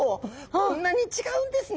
こんなに違うんですね。